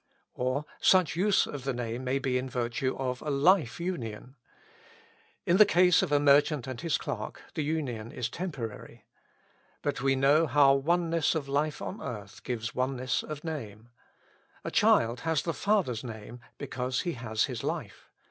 Or such a use of the name may be in virtue of a life union. In the case of the merchant and his clerk, the union is temporary. But we know how oneness of life on earth gives oneness of name: a child has the father's name because he has his life.